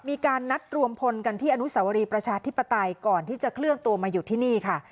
มีการนัดรวมพลกันที่อนุสวรีประชาธิปไตยก่อนที่จะเคลื่อนตัวมาอยู่ที่นี่ค่ะ